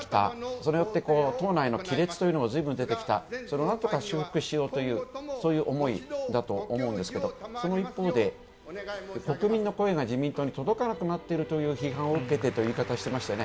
それによって、党内の亀裂というのもずいぶん出てきた、それをなんとか修復しようというそういう思いだと思うんですけど、その一方で国民の声が自民党に届かなくなっているという批判を受けてという言い方していましたよね。